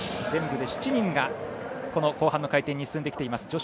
全部で７人が後半の回転に進んできています。